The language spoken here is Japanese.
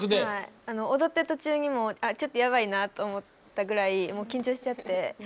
踊ってる途中にああちょっとやばいなと思ったぐらいもう緊張しちゃってなんですけど